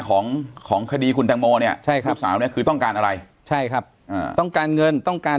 ของของคดีคุณทางโมเนี่ยใช่ครับคือต้องการอะไรใช่ครับต้องการเงินต้องการ